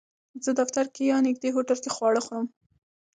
زه دفتر کې یا نږدې هوټل کې خواړه خورم